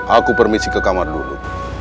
aku permisi ke kamar dulu